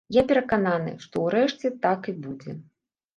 Я перакананы, што ўрэшце так і будзе.